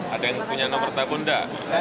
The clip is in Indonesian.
ada yang punya nomor tabunda